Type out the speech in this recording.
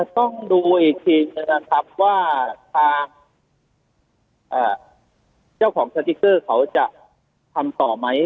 ต้องดูอีกทีนะครับว่าทางเจ้าของสติ๊กเกอร์เขาจะทำต่อไหม